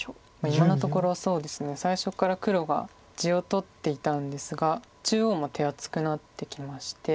今のところ最初から黒が地を取っていたんですが中央も手厚くなってきまして。